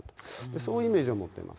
そういうイメージを持ってます。